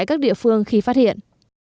các địa phương khi phát hiện